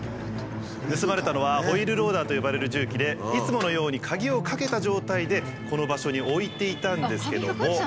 盗まれたのはホイールローダーと呼ばれる重機でいつものように鍵をかけた状態でこの場所に置いていたんですけども。